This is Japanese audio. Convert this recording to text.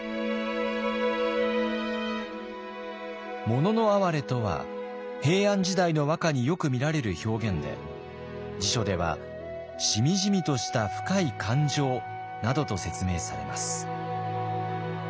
「もののあはれ」とは平安時代の和歌によく見られる表現で辞書では「しみじみとした深い感情」などと説明されます。